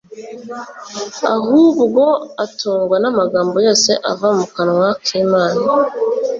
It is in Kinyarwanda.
ahubwo atungwa n'amagambo yose ava mu kanwa k'Imana.»